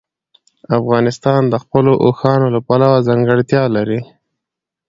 افغانستان د خپلو اوښانو له پلوه ځانګړتیا لري.